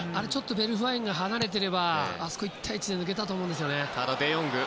ベルフワインが離れてればあそこ１対１で抜けたと思うんですよね。